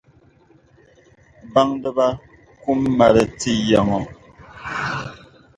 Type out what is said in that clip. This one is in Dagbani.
Baŋdiba kum mali ti yaŋɔ.